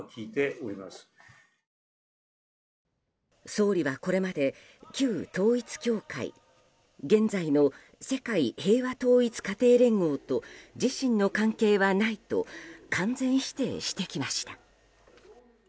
総理は、これまで旧統一教会現在の世界平和統一家庭連合と自身の関係はないと完全否定してきました。